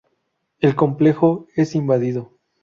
El complejo es invadido.